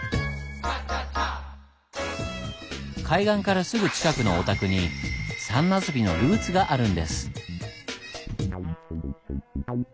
海岸からすぐ近くのお宅に「三茄子」のルーツがあるんです。